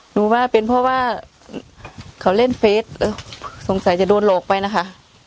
รู้ว่าเป็นเพราะว่าเขาเล่นเฟสสงสัยจะโดนหลอกไปนะคะ